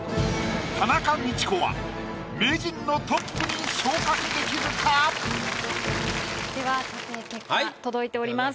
田中道子は名人のトップに昇格できるか⁉では査定結果届いております。